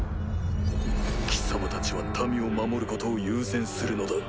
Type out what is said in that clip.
貴様たちは民を守ることを優先するのだ。